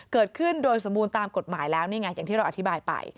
เกิดขึ้นโดยสมบูรณ์ตามกฎหมายแล้วนี่ไงอย่างที่เราอธิบายไป